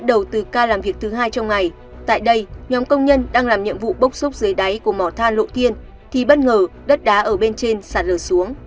bắt đầu từ ca làm việc thứ hai trong ngày tại đây nhóm công nhân đang làm nhiệm vụ bốc xúc dưới đáy của mỏ than lộ thiên thì bất ngờ đất đá ở bên trên sạt lở xuống